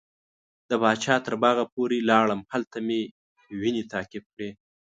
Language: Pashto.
د پاچا تر باغه پورې لاړم هلته مې وینې تعقیب کړې.